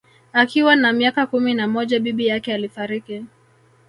Akiwa na miaka kumi na moja bibi yake alifariki